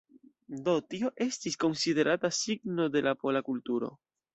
Do tio estis konsiderata signo de la pola kulturo.